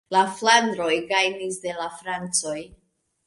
La flandroj gajnis de la francoj.